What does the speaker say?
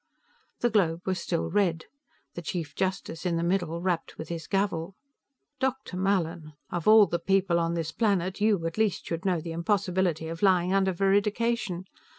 The globe was still red. The Chief Justice, in the middle, rapped with his gavel. "Dr. Mallin! Of all the people on this planet, you at least should know the impossibility of lying under veridication.